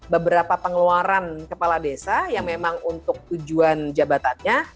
beberapa pengeluaran kepala desa yang memang untuk tujuan jabatannya